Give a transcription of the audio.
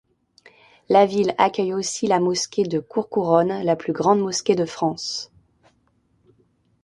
La ville accueille aussi la mosquée de Courcouronnes, la plus grande mosquée de France.